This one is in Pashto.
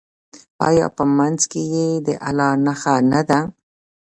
آیا په منځ کې یې د الله نښه نه ده؟